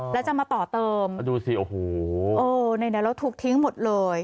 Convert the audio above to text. แล้วจะมาต่อเติมดูสิโอ้โหในนั้นเราถูกทิ้งหมดเลย